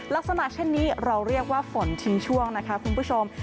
ลักษณะเช่นนี้เราเรียกว่าฝนทิ้งช่วงนะคะคุณผู้ชม